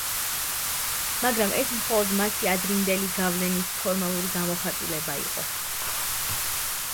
მაგრამ ეს მხოლოდ მათი ადრინდელი გავლენის ფორმალური გამოხატულება იყო.